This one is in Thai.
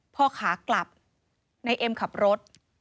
พอขากลับนายเอ็มขับรถ